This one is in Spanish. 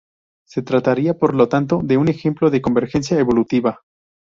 Se trataría por lo tanto de un ejemplo de convergencia evolutiva.